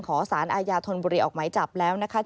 ขอสารอายาธนบุรีออกไหมจับแล้ว